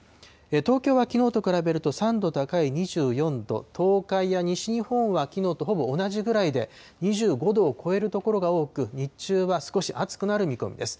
東京はきのうと比べると３度高い２４度、東海や西日本はきのうとほぼ同じぐらいで２５度を超える所が多く、日中は少し暑くなる見込みです。